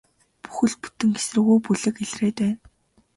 Бүхэл бүтэн эсэргүү бүлэг илрээд байна.